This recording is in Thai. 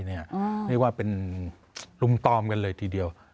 เรียกว่าเป็นลุมตอมกันเลยทีเดียว